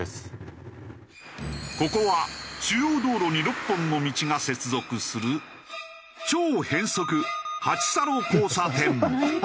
ここは主要道路に６本の道が接続する超変則８叉路交差点。